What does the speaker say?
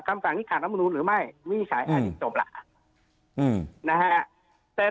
คำสั่งคือคำวินิจฉัยขาดรำหนุนหรือไม่